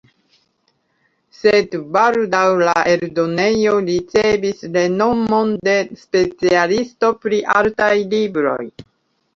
Sed baldaŭ la eldonejo ricevis renomon de specialisto pri artaj libroj.